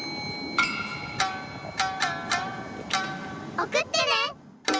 おくってね！